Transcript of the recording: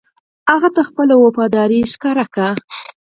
هغه ته خپله وفاداري وښيي.